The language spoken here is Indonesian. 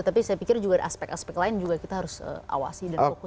tapi saya pikir aspek aspek lain juga kita harus awasi